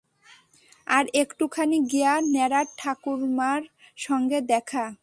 আর একটুখানি গিয়া নেড়ার ঠাকুরমার সঙ্গে দেখা।